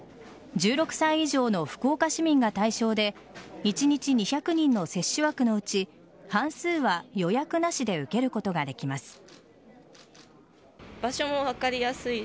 １６歳以上の福岡市民が対象で一日２００人の接種枠のうち半数は予約なしで受けることができます。